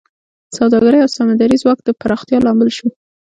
د سوداګرۍ او سمندري ځواک د پراختیا لامل شو